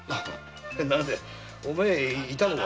何だお前居たのか。